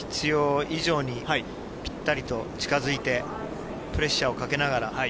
必要以上にぴったりと近づいてプレッシャーをかけながら。